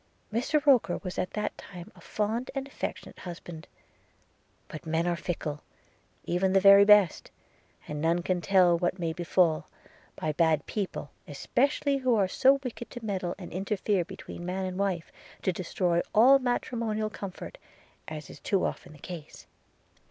Mr Roker was at that time a fond and affectionate husband; but men are but fickle, even the very best, and none can tell what may befall; by bad people especially, who are so wicked to meddle and interfere between man and wife, to destroy all matrimonial comfort, as is too often the case.